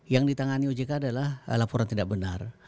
yang ditangani ojk adalah laporan tidak benar